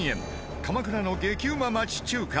鎌倉の激うま町中華